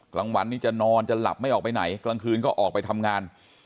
กลางวันนี้จะนอนจะหลับไม่ออกไปไหนกลางคืนก็ออกไปทำงาน